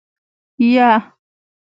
يه.